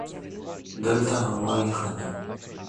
The episode ends with Milhouse's fate unresolved.